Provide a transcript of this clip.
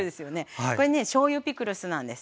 これねしょうゆピクルスなんです。